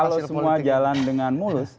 kalau semua jalan dengan mulus